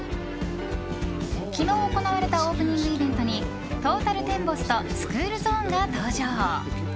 昨日行われたオープニングイベントにトータルテンボスとスクールゾーンが登場。